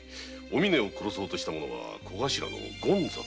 お峰を殺そうとしたのはコガシラの権三。